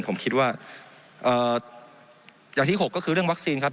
ผมคิดว่าอย่างที่๖ก็คือเรื่องวัคซีนครับ